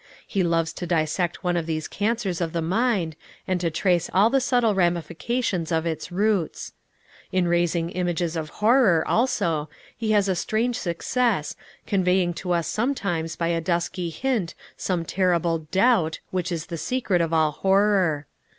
He loves to dissect one of these cancers of the mind, and to trace all the subtle ramifications of its roots. In raising images of horror, also, he has strange success, conveying to us sometimes by a dusky hint some terrible doubt which is the secret of all horror.